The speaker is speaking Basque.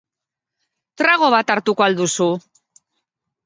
Trago bat hartuko al duzu?